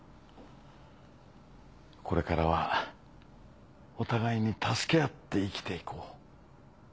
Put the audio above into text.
これからはお互いに助け合って生きていこう。